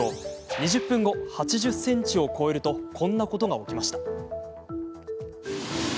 ２０分後、８０ｃｍを超えるとこんなことが起きました。